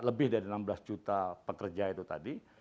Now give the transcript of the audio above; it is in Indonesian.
lebih dari enam belas juta pekerja itu tadi